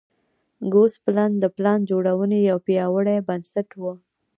ګوسپلن د پلان جوړونې یو پیاوړی بنسټ و